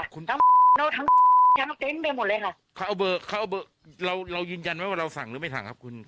เขาเอาเบอร์เรายืนยันไหมว่าเราสั่งหรือไม่สั่งครับคุณ